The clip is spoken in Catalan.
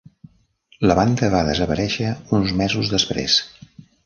La banda va desaparèixer uns mesos després.